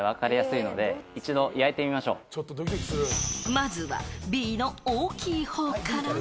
まずはＢの大きい方から。